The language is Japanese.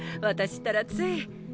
私ったらつい。